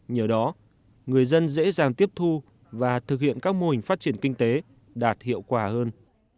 nhờ đó người dân dễ dàng tiếp thu và thực hiện các mô hình phát triển kinh tế đạt hiệu quả hơn